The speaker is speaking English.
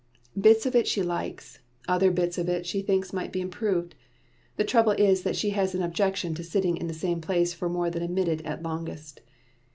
Bits of it she likes, other bits she thinks might be improved. The trouble is that she has an objection to sitting in the same place for more than a minute at longest.